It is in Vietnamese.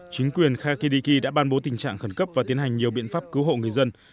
chính quyền khakidiki đã ban bố tình trạng khẩn cấp và tiến hành nhiều biện pháp cứu hộ người dân